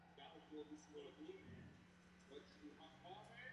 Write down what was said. Tato podoba se prezentuje v neměnné podobě.